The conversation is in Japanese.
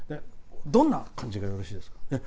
どんな感じがよろしいですか？